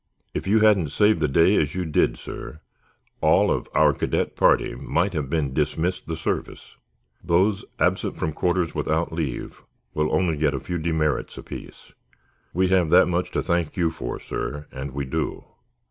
If you hadn't saved the day as you did, sir, all of our cadet party might have been dismissed the Service. Those absent from quarters without leave will get only a few demerits apiece. We have that much to thank you for, sir, and we do.